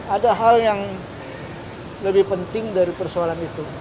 ada hal yang lebih penting dari persoalan itu